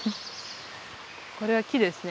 これは木ですね。